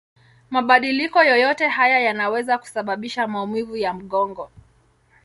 Mabadiliko yoyote haya yanaweza kusababisha maumivu ya mgongo.